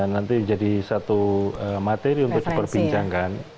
nanti jadi satu materi untuk diperbincangkan